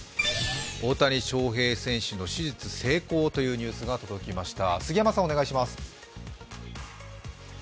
大谷翔平選手の手術成功というニュースが届きました。